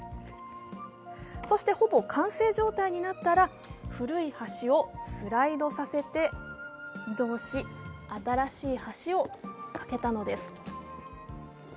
そして、ほぼ完成状態になったら古い橋をスライドさせて移動し新しい橋を架けたのです。